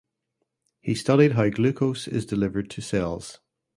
He studied how glucose is delivered to cells.